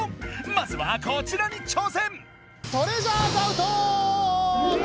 まずはこちらに挑戦！